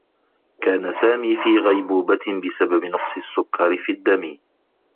كان سامي في غيبوبة بسبب نقص السّكّر في الدّم.